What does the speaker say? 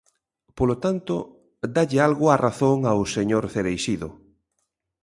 Polo tanto, dálle algo a razón ao señor Cereixido.